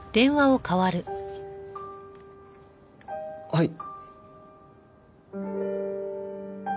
はい。